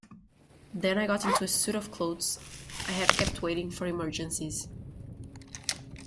Then I got into a suit of clothes I had kept waiting for emergencies.